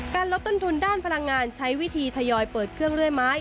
ลดต้นทุนด้านพลังงานใช้วิธีทยอยเปิดเครื่องเรื่อยไม้